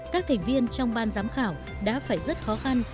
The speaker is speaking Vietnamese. các thành viên trong ban giám khảo đã phải rất khó khăn